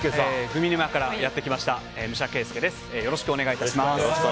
グミ沼からやってきました武者慶佑です。